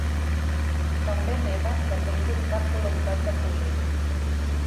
També nega que tingui cap voluntat de fugir.